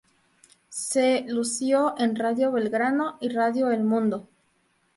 Se lució en Radio Belgrano y Radio El Mundo.